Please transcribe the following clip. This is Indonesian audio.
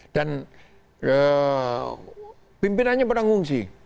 dan pimpinannya menanggung sih